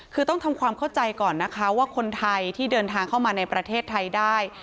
คือต้องทำความเข้าใจก่อนนะคะว่าคนไทยที่เดินทางเข้ามาในประเทศไทยได้